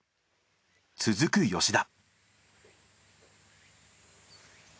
続く吉田。